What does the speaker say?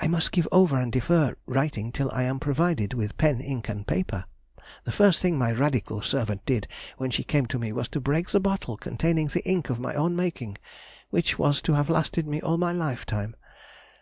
I must give over and defer writing till I am provided with pen, ink, and paper. The first thing my radical servant did when she came to me was to break the bottle [containing] the ink of my own making, which was to have lasted me all my life time....